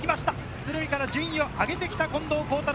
鶴見から順位を上げてきた、近藤幸太郎。